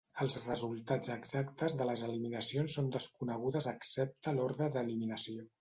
Els resultats exactes de les eliminacions són desconegudes excepte l'ordre d'eliminació.